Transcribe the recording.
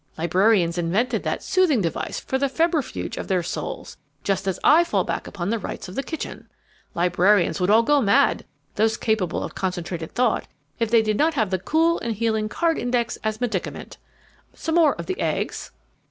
Librarians invented that soothing device for the febrifuge of their souls, just as I fall back upon the rites of the kitchen. Librarians would all go mad, those capable of concentrated thought, if they did not have the cool and healing card index as medicament! Some more of the eggs?"